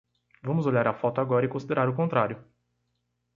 Vamos olhar a foto agora e considerar o contrário.